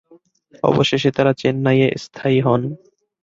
অবশেষে তারা চেন্নাইয়ে স্থায়ী হন।